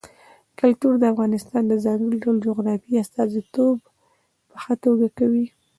کلتور د افغانستان د ځانګړي ډول جغرافیې استازیتوب په ښه توګه کوي.